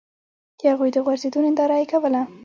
د هغوی د غورځېدو ننداره یې کوله.